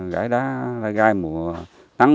gãi đá gai mùa nắng